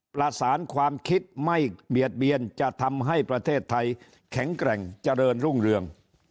ประสานความคิดไม่เบียดเบียนจะทำให้ประเทศไทยแข็งแกร่งเจริญรุ่งเรือง